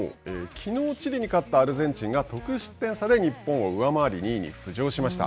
きのうチリに勝ったアルゼンチンが、得失点差で日本を上回り、２位に浮上しました。